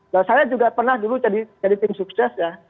dan saya juga pernah dulu jadi tim sukses ya